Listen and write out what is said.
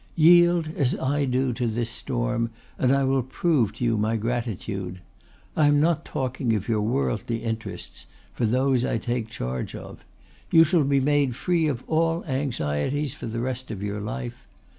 Yield, as I do, to this storm, and I will prove to you my gratitude. I am not talking of your worldly interests, for those I take charge of. You shall be made free of all such anxieties for the rest of your life.